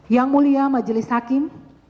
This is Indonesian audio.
yang mulia majelis hakim